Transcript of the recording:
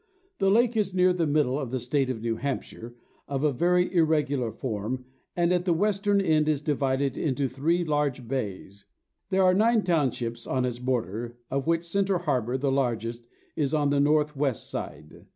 The lake is near the middle of the state of New Hampshire, of a very irregular form, and at the western end is divided into three large bays. There are nine townships on its borders, of which Centre Harbour, the largest, is on the north west side.